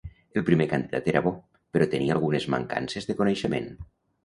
El primer candidat era bo però tenia algunes mancances de coneixement.